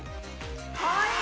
かわいい？